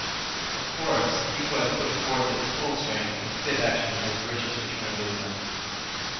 Of course, he who has put forth his total strength in fit actions, has the richest return of wisdom.